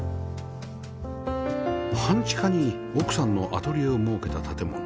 半地下に奥さんのアトリエを設けた建物